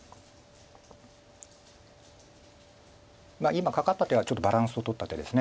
今カカった手はちょっとバランスをとった手です。